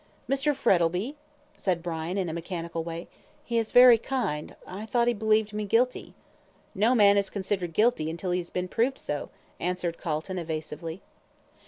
"Mr. Frettlby?" said Brian, in a mechanical way. "He is very kind; I thought he believed me guilty." "No man is considered guilty until he has been proved so," answered Calton, evasively.